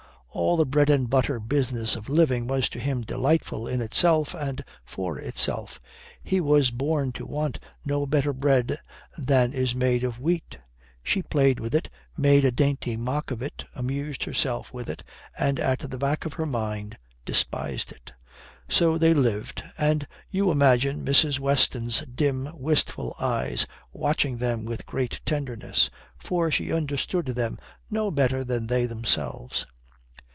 All the bread and butter business of living was to him delightful in itself and for itself. He was born to want no better bread than is made of wheat. She played with it, made a dainty mock of it, amused herself with it, and at the back of her mind despised it. So they lived, and you imagine Mrs. Weston's dim, wistful eyes watching them with a great tenderness. For she understood them no better than they themselves.